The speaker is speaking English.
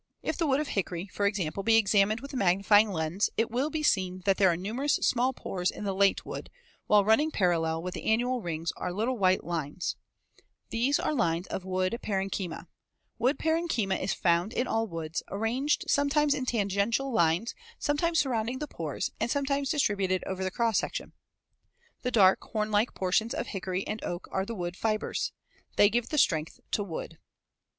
If the wood of hickory, for example, be examined with the magnifying lens, it will be seen that there are numerous small pores in the late wood, while running parallel with the annual rings are little white lines such as are shown in Fig. 149. These are lines of wood parenchyma. Wood parenchyma is found in all woods, arranged sometimes in tangential lines, sometimes surrounding the pores and sometimes distributed over the cross section. The dark, horn like portions of hickory and oak are the woodfibers. They give the strength to wood.